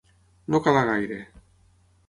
No calar gaire.